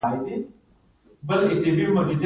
د رومي بانجان ګل د پروستات لپاره وکاروئ